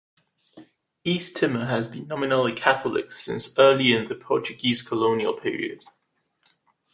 East Timor has been nominally Catholic since early in the Portuguese colonial period.